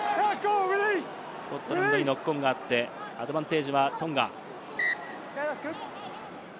スコットランドにノックオンがあって、アドバンテージはトンガ。